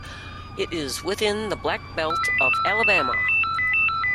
It is within the Black Belt of Alabama.